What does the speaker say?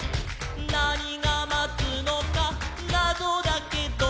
「なにがまつのかなぞだけど」